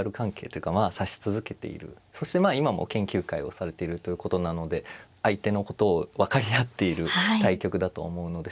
そして今も研究会をされているということなので相手のことを分かり合っている対局だと思うのですが。